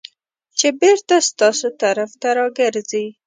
چې بېرته ستاسو طرف ته راګرځي .